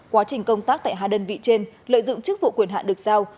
quá trình công tác tại hai đơn vị trên lợi dụng chức vụ quyền hạn được giao